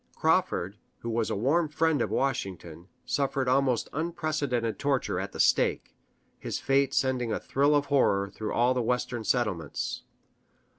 Crawford, who was a warm friend of Washington, suffered almost unprecedented torture at the stake, his fate sending a thrill of horror through all the Western settlements.